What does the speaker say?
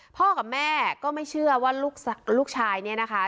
พ่อกับแม่ก็ไม่เชื่อว่าลูกชายเนี่ยนะคะ